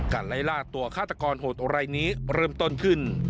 การไล่ลากตัวฆาตกรโหดโอไรนี้เริ่มต้นขึ้น